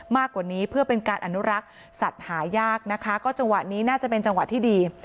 มากกว่านี้เพื่อเป็นการอนุรักษ์สัตว์หายากนะคะก็จังหวะนี้น่าจะเป็นจังหวะที่ดี